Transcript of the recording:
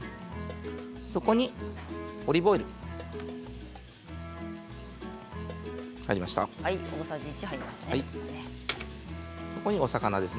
そこにオリーブオイルです。